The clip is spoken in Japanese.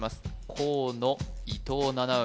河野伊藤七海